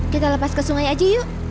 kita lepas ke sungai aja yuk